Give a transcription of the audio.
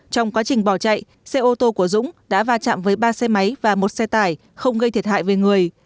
trong quá trình bỏ chạy xe ô tô của dũng đã va chạm với ba xe máy và một xe tải không gây thiệt hại về người